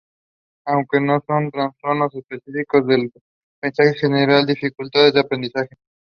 As executive producer